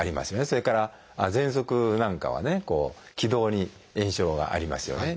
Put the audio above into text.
それからぜんそくなんかはね気道に炎症がありますよね。